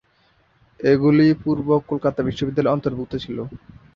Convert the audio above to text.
এগুলি পূর্বে কলকাতা বিশ্ববিদ্যালয়ের অন্তর্ভুক্ত ছিল।